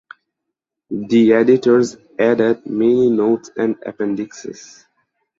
The editors added many notes and appendixes.